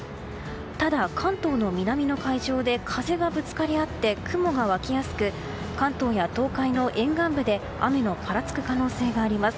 ただ、関東の南の海上で風がぶつかり合って雲が湧きやすく、関東や東海の沿岸部で雨のぱらつく可能性があります。